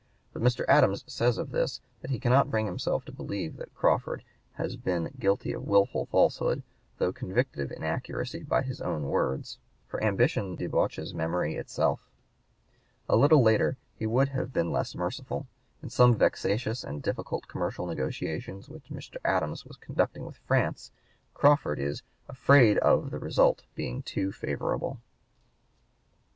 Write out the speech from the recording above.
But Mr. Adams says of this that he cannot bring himself to believe that Crawford has been guilty of wilful falsehood, though convicted of inaccuracy by his own words; for "ambition debauches memory itself." A little later he would have been less merciful. In some vexatious and difficult commercial negotiations which Mr. Adams was conducting with France, Crawford is "afraid of [the result] being too favorable."